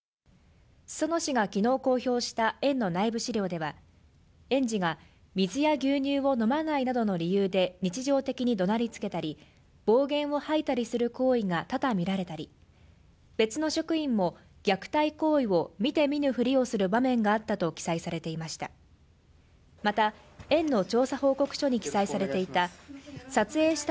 裾野市が昨日公表した園の内部資料では園児が水や牛乳を飲まないなどの理由で日常的に怒鳴りつけたり暴言を吐いたりする行為が多々見られたり別の職員も虐待行為を見て見ぬふりをする場面があったと記載されていました